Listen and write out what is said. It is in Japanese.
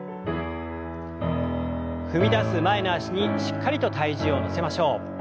踏みだす前の脚にしっかりと体重を乗せましょう。